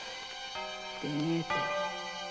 でねえと。